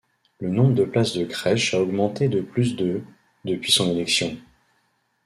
Le nombre de places de crèches a augmenté de plus de depuis son élection.